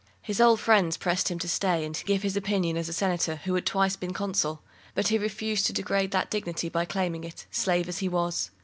His old friends pressed him to stay and give his opinion as a senator, who had twice been consul; but he refused to degrade that dignity by claiming it, slave as he was.